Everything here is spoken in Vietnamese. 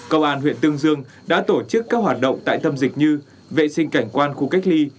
công an huyện tương dương đã tổ chức các hoạt động tại tâm dịch như vệ sinh cảnh quan khu cách ly